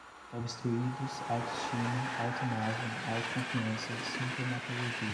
obstruídos, autoestima, autoimagem, autoconfiança, sintomatologia